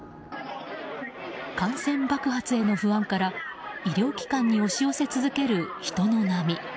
感染爆発への不安から医療機関に押し寄せ続ける人の波。